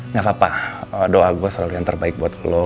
gak apa apa doa gue selalu yang terbaik buat gue